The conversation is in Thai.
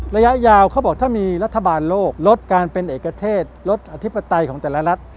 ระยะยาวเขาบอกถ้ามีรัฐบาลโลกลดการเป็นเอกเทศลดอธิปไตยของแต่ละรัฐ